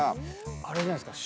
あれじゃないですか？